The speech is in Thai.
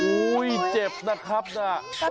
โอ้ยเจ็บนะครับนะ